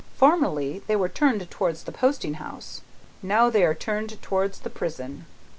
Formerly, they were turned towards the posting house; now, they are turned towards the prison.